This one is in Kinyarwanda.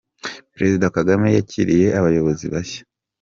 Perezida Kagame yakiriye abayobozi bashya